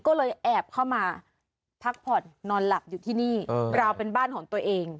ก็เลยแอบเข้ามาพักผ่อนนอนหลับอยู่ที่นี่ราวเป็นบ้านของตัวเอง